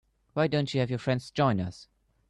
Why don't you have your friends join us?